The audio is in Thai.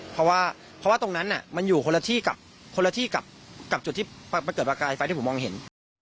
เพราะว่าเพราะว่าตรงนั้นมันอยู่คนละที่กับคนละที่กับจุดที่เกิดประกายไฟที่ผมมองเห็น